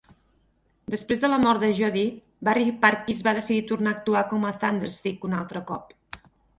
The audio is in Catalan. Després de la mort de Jodee, Barry Purkis va decidir tornar a actuar com Thunderstick un altre cop.